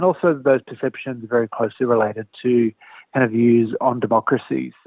dan juga persepsi tersebut sangat terkait dengan pendapatan tentang demokrasi